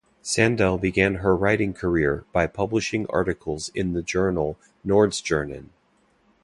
Sandel began her writing career by publishing articles in the journal "Nordstjernan".